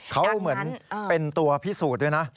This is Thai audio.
เขาเหมือนเป็นตัวพิสูจน์ด้วยนะ